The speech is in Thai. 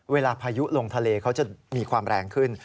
พายุลงทะเลเขาจะมีความแรงขึ้น